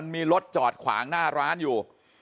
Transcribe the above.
มีรถจอดขวางหน้าร้านอยู่